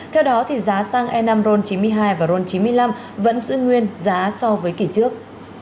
theo đó giá xăng e năm ron chín mươi hai và ron chín mươi năm vẫn giữ nguyên giá so với kỷ trước